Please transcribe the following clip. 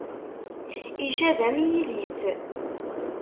Icab am yilis.